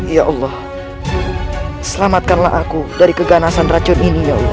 ya allah selamatkanlah aku dari keganasan racun ini